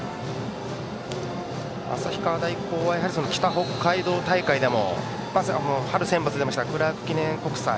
旭川大高は北北海道大会でも春センバツに出ましたクラーク記念国際